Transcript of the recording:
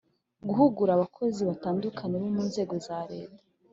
guhugura abakozi batandukanye bo mu nzego za leta,